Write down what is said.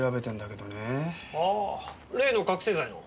ああ例の覚せい剤の。